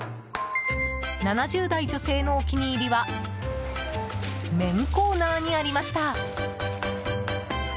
７０代女性のお気に入りは麺コーナーにありました。